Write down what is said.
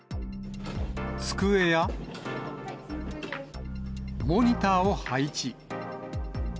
机やモニターを配置。